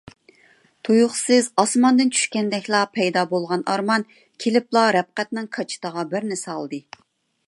تۇيۇقسىز ئاسماندىن چۈشكەندەكلا پەيدا بولغان ئارمان كېلىپلا رەپقەتنىڭ كاچىتىغا بىرنى سالدى.